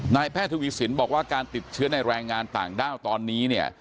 นายแพทย์ถุกวิสินบอกว่าการติดเชื้อในแรงงานต่างด้าวตอนนี้